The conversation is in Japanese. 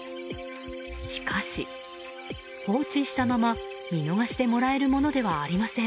しかし、放置したまま見逃してもらえるものではありません。